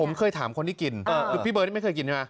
ผมเคยถามคนที่กินเออเออคือพี่เบิร์ดไม่เคยกินใช่ไหม